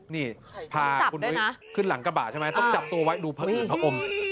นี่พาคุณนุ้ยขึ้นหลังกระบะใช่ไหมต้องจับตัวไว้ดูผอืดผอม